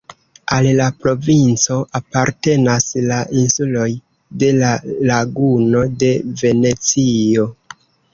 Al la provinco apartenas la insuloj de la Laguno de Venecio.